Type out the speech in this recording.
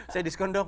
saya diskon dong